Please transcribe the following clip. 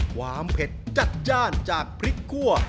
เผ็ดจัดจ้านจากพริกคั่ว